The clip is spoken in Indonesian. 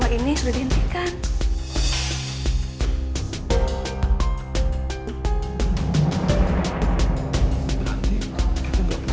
yang mikir ini yang kagum